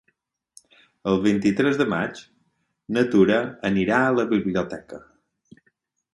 El vint-i-tres de maig na Tura anirà a la biblioteca.